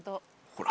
ほら。